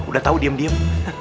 udah tau diem diem